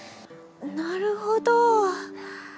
なるほど。